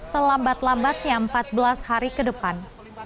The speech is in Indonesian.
selambat lambatnya empat belas hari ke depan